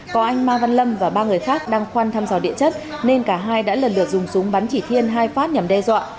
có anh mai văn lâm và ba người khác đang khoan thăm dò địa chất nên cả hai đã lần lượt dùng súng bắn chỉ thiên hai phát nhằm đe dọa